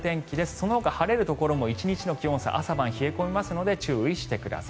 そのほか晴れるところも１日の気温差朝晩冷え込みますので注意してください。